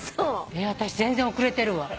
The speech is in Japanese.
私全然遅れてるわ。